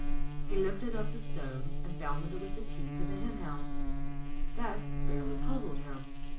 He lifted up the stone and found that it was the key of the hen house. That fairly puzzled him.